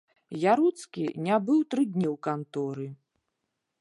Яроцкі не быў тры дні ў канторы.